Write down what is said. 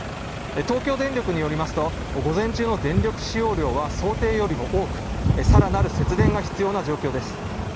東京電力によりますと、午前中の電力使用量は想定よりも多く、さらなる節電が必要な状況です。